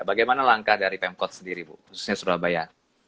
bagaimana langkah dari pemkot sendiri bu khususnya surabaya